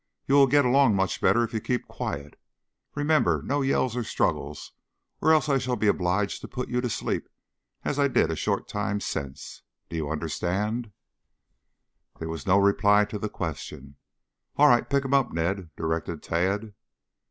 You will get along much better if you keep quiet. Remember, no yells nor struggles, else I shall be obliged to put you to sleep as I did a short time since. Do you understand?" There was no reply to the question. "All right. Pick him up, Ned," directed Tad.